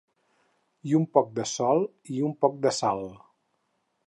I un poc de sol i un poc de sal.